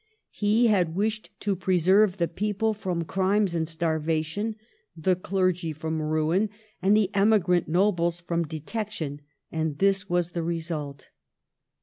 He had wished to preserve the people from crimes and starvation, the clergy from ruin, and the emigrant nobles from detection, and this was the result.